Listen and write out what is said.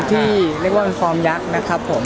ที่เรียกว่าเป็นฟอร์มยักษ์นะครับผม